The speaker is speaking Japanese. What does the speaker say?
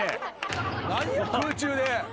何空中で。